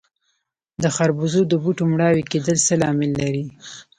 د خربوزو د بوټو مړاوي کیدل څه لامل لري؟